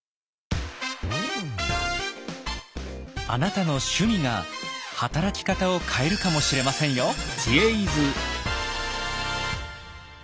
あなたの趣味が働き方を変えるかもしれませんよ！